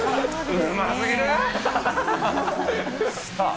うますぎる。